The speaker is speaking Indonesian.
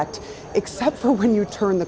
kecuali ketika anda menukar sudut